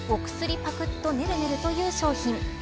パクッとねるねるという商品。